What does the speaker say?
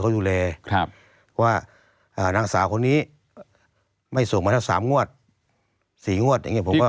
นางสาวคนนี้ไม่ส่งมาถ้าสามงวดสี่งวดอย่างเงี้ยผมก็